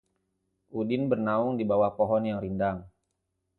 Udin bernaung di bawah pohon yang rindang